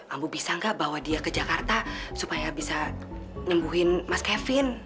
ambu bisa nggak bawa dia ke jakarta supaya bisa nyembuhin mas kevin